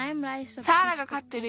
サーラがかってる